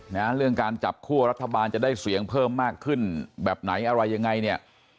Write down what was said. เรื่องการจับคั่วรัฐบาลจะได้เสียงเพิ่มมากขึ้นแบบไหนอะไรยังไงเนี่ย